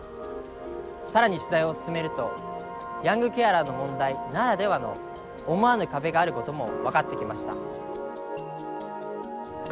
更に取材を進めるとヤングケアラーの問題ならではの思わぬ壁があることも分かってきました。